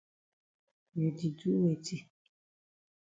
You di do weti?